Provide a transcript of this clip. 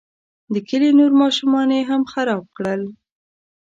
د کلي نور ماشومان یې هم خراب کړل.